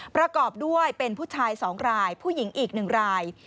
ประกอบด้วยเป็นผู้ชาย๒รายผู้หญิงอีก๑ราย